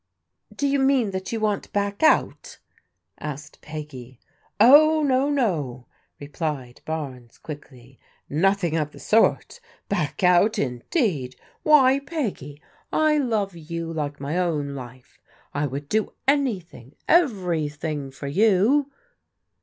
"Do you mean that you want to back out?" asked Peggy. " Oh, no, no," replied Barnes quickly, " nothing of the sort. Back out indeed ! Why, Peggy, I love you like my own life. I would do anything, everything for you